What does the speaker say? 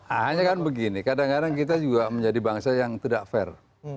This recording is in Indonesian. hanya kan begini kadang kadang kita juga menjadi bangsa yang tidak fair